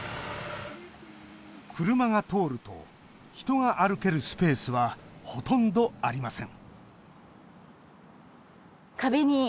車が通ると人が歩けるスペースはほとんどありません